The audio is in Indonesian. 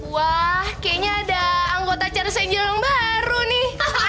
wah kayaknya ada anggota charles angel yang baru nih